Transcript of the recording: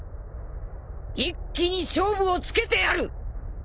一気に勝負をつけてやる！